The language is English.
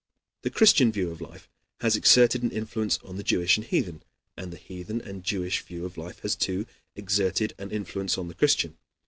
The Christian view of life has exerted an influence on the Jewish and heathen, and the heathen and Jewish view of life has, too, exerted an influence on the Christian.